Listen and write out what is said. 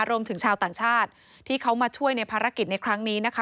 รวมถึงชาวต่างชาติที่เขามาช่วยในภารกิจในครั้งนี้นะคะ